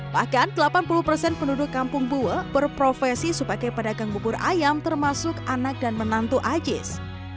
bahkan delapan puluh persen penduduk kampung buwe berprofesi sebagai pedagang bubur ayam termasuk anak dan menantu ajis